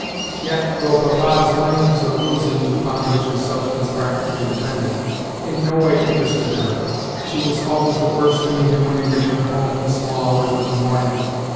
Yet, though Papa's winnings or losings (upon which his substance practically depended) in no way interested her, she was always the first to meet him when he returned home in the small hours of the morning.